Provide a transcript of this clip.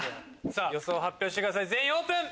予想発表してください全員オープン！